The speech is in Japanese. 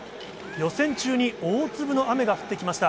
予選中に大粒の雨が降ってきました。